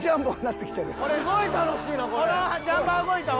すごい楽しいな。